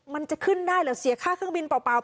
มันจะขึ้นได้เหรอเสียค่าเครื่องบินเปล่า